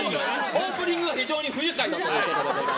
オープニングは非常に不愉快ということで。